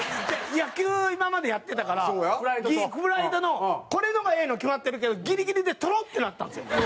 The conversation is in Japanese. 野球今までやってたからプライドのこれのがええの決まってるけどギリギリで捕ろうってなったんですよ。